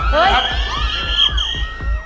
เฮ้ย